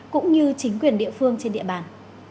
cũng như chính quyền địa phương trên địa bàn